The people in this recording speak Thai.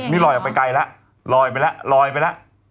นี่ลอยลงไปไกลแล้ว